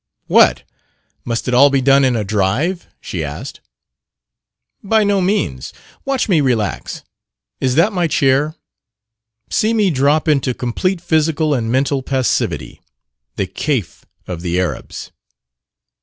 "What! must it all be done in a drive?" she asked. "By no means. Watch me relax. Is that my chair? See me drop into complete physical and mental passivity the kef of the Arabs."